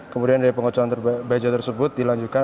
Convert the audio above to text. kemudian dari pengocohan baja tersebut dilanjutkan